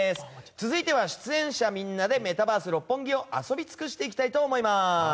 続いては出演者みんなでメタバース六本木を遊びつくしていきたいと思います。